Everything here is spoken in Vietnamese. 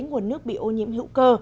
nguồn nước bị ô nhiễm hữu cơ